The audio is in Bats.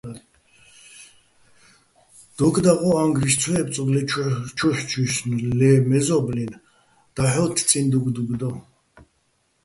დოკ დაღო́, ა́ჼგრიშ ცო ებწო̆ ლე ჩურჩუჲშნო-ე́ ლე მეზო́ბლინ, დაჰ̦ო́თთწიჼ დუგდუგ დო.